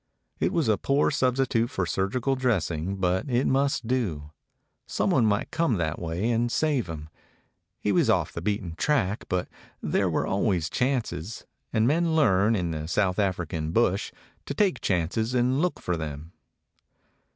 It was a poor substitute for surgical dressing, but it must do. Some one might come that way and save him. He 175 DOG HEROES OF MANY LANDS was off the beaten track, but there were always chances ; and men learn, in the South African bush, to take chances and look for them.